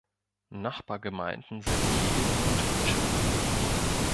Nachbargemeinden sind Kiel und Chilton.